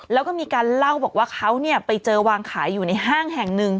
แล้วก็มีการเล่าบอกว่าเขาไปเจอวางขายอยู่ในห้างแห่งหนึ่ง